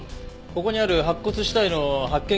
ここにある白骨死体の発見